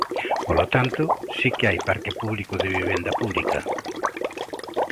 Polo tanto, si que hai parque público de vivenda pública.